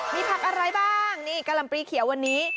มีผักอะไรบ้างนี่กะลำปรีเขียววันนี้